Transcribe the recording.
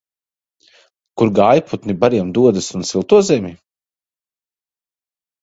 Kur gājputni bariem dodas un silto zemi?